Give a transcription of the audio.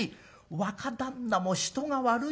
若旦那も人が悪いよ。